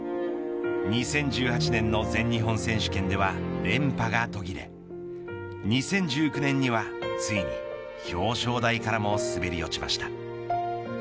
２０１８年の全日本選手権では連覇が途切れ２０１９年にはついに表彰台からも滑り落ちました。